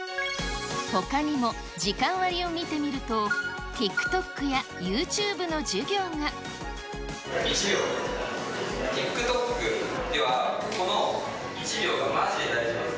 ほかにも時間割を見てみると、ＴｉｋＴｏｋやユーチューブの授１秒、ＴｉｋＴｏｋでは、この１秒がまじで大事なんです。